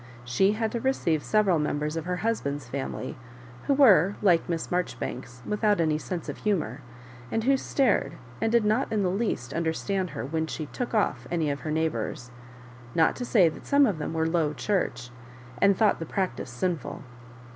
She had to receive several members of her husband's family, who were, like Miss Mar joribanks, without any sense of humour, and who stared, and did not in the least understand her when she "took off" any of her neighbours; not to say.that some of them were Low Church, and thought the practice sinful.